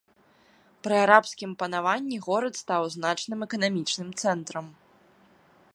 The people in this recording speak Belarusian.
Пры арабскім панаванні горад стаў значным эканамічным цэнтрам.